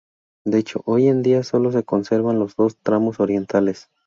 De hecho hoy en día solo se conservan los dos tramos orientales.